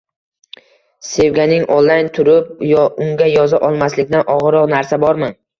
- Sevganing online turib, unga yoza olmaslikdan og'irroq narsa bormi?